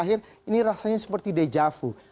ini rasanya seperti dejavu